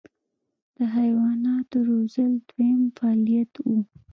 د حیواناتو روزل دویم فعالیت و.